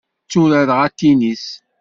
Tturareɣ atinis.